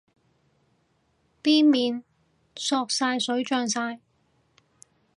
啲麵索晒水脹晒